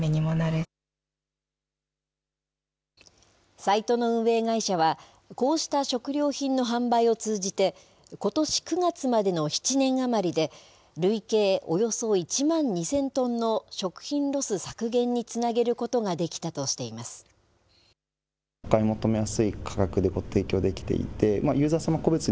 サイトの運営会社は、こうした食料品の販売を通じて、ことし９月までの７年余りで累計およそ１万２０００トンの食品ロス削減につなげることができたとしています。